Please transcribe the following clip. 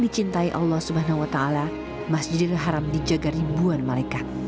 di sini yang paling dicintai allah swt masjidul haram dijaga ribuan malaikat